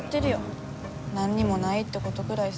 何にもないってことぐらいさ。